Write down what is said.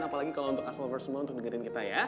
apalagi kalo untuk axeloverz semua untuk dengerin kita ya